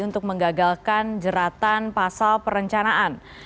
untuk menggagalkan jeratan pasal perencanaan